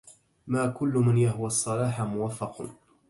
ما كل من يهوى الصلاح موفق